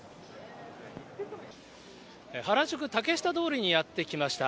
原宿・竹下通りにやって来ました。